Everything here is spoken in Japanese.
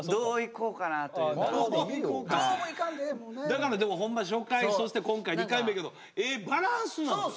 だからでもホンマに初回そして今回２回目やけどええバランスなのよ。